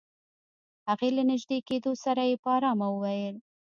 هغې ته له نژدې کېدو سره يې په آرامه وويل.